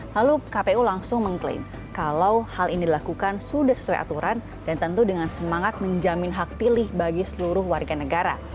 lalu kpu langsung mengklaim kalau hal ini dilakukan sudah sesuai aturan dan tentu dengan semangat menjamin hak pilih bagi seluruh warga negara